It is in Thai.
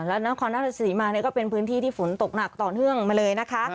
แล้วนครราชสีมาเนี่ยก็เป็นพื้นที่ที่ฝนตกหนักต่อเนื่องมาเลยนะคะ